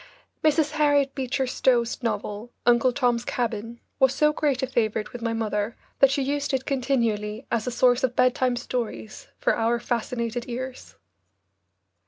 Mrs. Harriet Beecher Stowe's novel, "Uncle Tom's Cabin," was so great a favourite with my mother that she used it continually as a source of bedtime stories for our fascinated ears.